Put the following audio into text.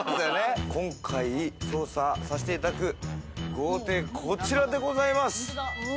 今回、調査させていただく豪邸、こちらでございます。